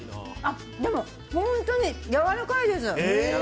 本当にやわらかいです。